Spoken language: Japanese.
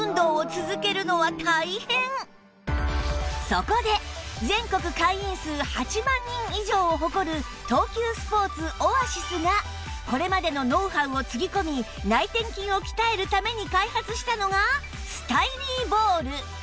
そこで全国会員数８万人以上を誇る東急スポーツオアシスがこれまでのノウハウをつぎ込み内転筋を鍛えるために開発したのがスタイリーボール